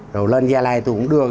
rồi lên gia lai tôi cũng đưa